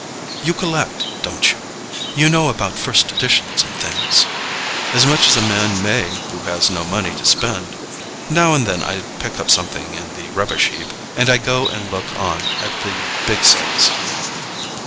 "You collect, don't you—you know about first editions and things?" "As much as a man may who has no money to spend. Now and then I pick up something in the rubbish heap; and I go and look on at the big sales."